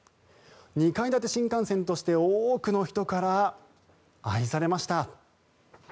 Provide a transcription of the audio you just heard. ２階建て新幹線として多くの人から愛されました。